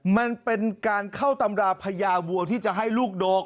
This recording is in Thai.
มันเป็นการเข้าตำราพญาวัวที่จะให้ลูกดก